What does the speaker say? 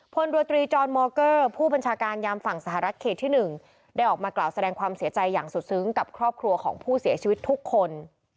พลเรือตรีจรมอเกอร์ผู้บัญชาการยามฝั่งสหรัฐเขตที่๑ได้ออกมากล่าวแสดงความเสียใจอย่างสุดซึ้งกับครอบครัวของผู้เสียชีวิตทุกคน